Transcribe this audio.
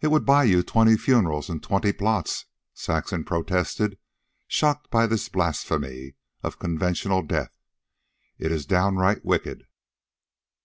"It would buy you twenty funerals and twenty plots," Saxon protested, shocked by this blasphemy of conventional death. "It is downright wicked."